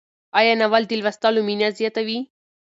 آیا ناول د لوستلو مینه زیاتوي؟